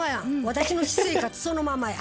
私の私生活そのままや。